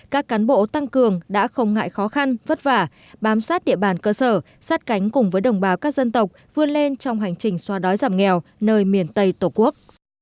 các cán bộ tăng cường đã không ngại khó khăn vất vả bám sát địa bàn cơ sở sát cánh cùng với đồng bào các dân tộc vươn lên trong hành trình xoa đói giảm nghèo nơi miền tây tổ quốc